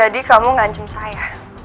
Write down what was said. jadi kamu ngancam saya